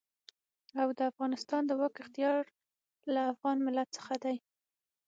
او د افغانستان د واک اختيار له افغان ملت څخه دی.